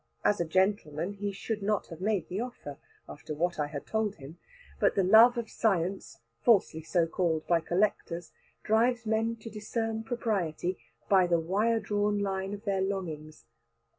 As a gentleman he should not have made the offer, after what I had told him. But the love of science falsely so called by collectors drives men to discern propriety "by the wire drawn line of their longings."